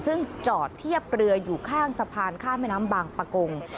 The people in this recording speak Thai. ซึ่งจอดเทียบเรืออยู่ข้างสะพานข้ามแม่น้ำบางปะกง